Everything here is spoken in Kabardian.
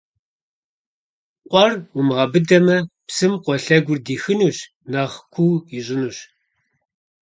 Къуэр умыгъэбыдэмэ, псым къуэ лъэгур дихынущ, нэхъ куу ищӀынущ.